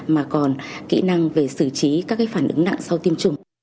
mà còn kỹ năng về xử trí các phản ứng nạn sau tiêm chủng